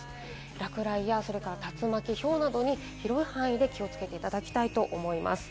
落雷や竜巻、ひょうなどに広い範囲で気をつけていただきたいと思います。